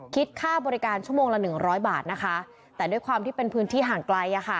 คิดค่าบริการชั่วโมงละ๑๐๐บาทแต่ด้วยความที่เป็นพื้นที่ห่างไกล